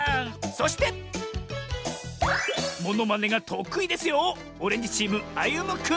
そしてモノマネがとくいですよ